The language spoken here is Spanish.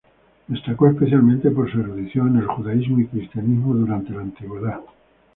Destacó especialmente por su erudición en el judaísmo y cristianismo durante la Antigüedad.